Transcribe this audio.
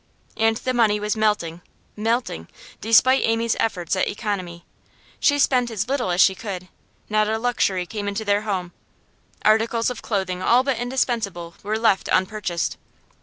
And the money was melting, melting, despite Amy's efforts at economy. She spent as little as she could; not a luxury came into their home; articles of clothing all but indispensable were left unpurchased.